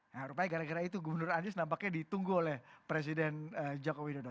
nah rupanya gara gara itu gubernur anies nampaknya ditunggu oleh presiden joko widodo